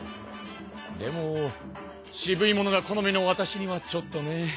でも渋いものが好みのわたしにはちょっとね。